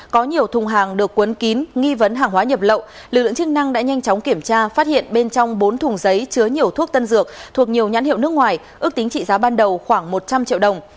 có nhiều thùng hàng được cuốn kín nghi vấn hàng hóa nhập lậu lực lượng chức năng đã nhanh chóng kiểm tra phát hiện bên trong bốn thùng giấy chứa nhiều thuốc tân dược thuộc nhiều nhãn hiệu nước ngoài ước tính trị giá ban đầu khoảng một trăm linh triệu đồng